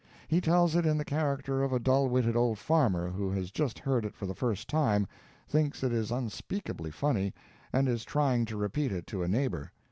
He tells it in the character of a dull witted old farmer who has just heard it for the first time, thinks it is unspeakably funny, and is trying to repeat it to a neighbor.